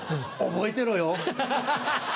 覚えてろよ！